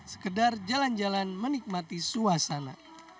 sekedar jalan jalan menikmati suasana